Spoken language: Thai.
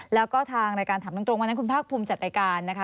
แล้วก็ทางรายการถามตรงวันนั้นคุณภาคภูมิจัดรายการนะคะ